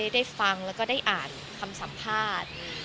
ได้ฟังแล้วก็ได้อ่านคำสัมภาษณ์